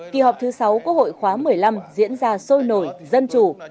kỳ họp thứ sáu quốc hội khóa một mươi năm diễn ra sôi nổi dân chủ